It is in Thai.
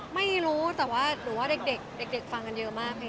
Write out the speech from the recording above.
ไม่รู้แต่ว่าหนูว่าเด็กฟังกันเยอะมาก